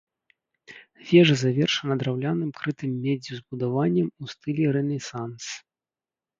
Вежа завершана драўляным крытым меддзю збудаваннем у стылі рэнесанс.